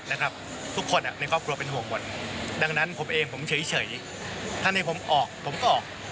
นะครับทุกคนในครอบครัวเป็นห่วงหมดดังนั้นผมเองผมเฉยท่านให้ผมออกผมก็ออก